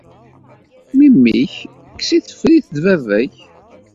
Memmi-k, kkes-it, ffer-it, d baba-k.